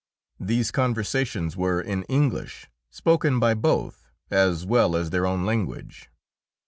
These conversations were in English, spoken by both as well as their own language.